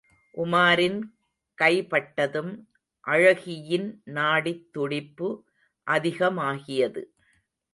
உமாரின் கைபட்டதும் அழகியின் நாடித் துடிப்பு அதிகமாகியது.